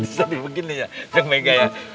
jadi begini jeng mega ya